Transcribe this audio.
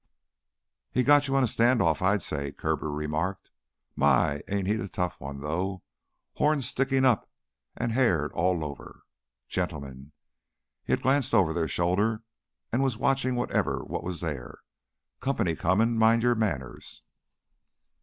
"He's got you on a stand off, I'd say," Kirby remarked. "My, ain't he the tough one though, horns sticking up an' haired all over! Gentlemen " he had glanced over their shoulder and was watching whatever was there "company comin'. Mind your manners!"